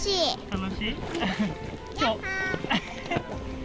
楽しい？